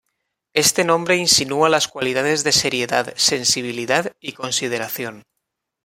Este nombre insinúa las cualidades de seriedad, sensibilidad y consideración.